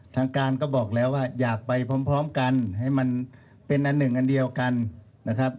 ทางการก็บอกแล้วว่าอยากไปพร้อมกันให้มันเป็นอันหนึ่งอันเดียวกันนะครับ